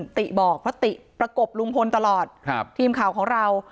ติบอกเพราะติประกบลุงพลตลอดครับทีมข่าวของเรา